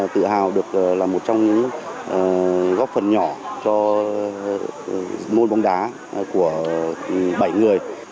tự hào được là một trong những góp phần nhỏ cho môn bóng đá của bảy người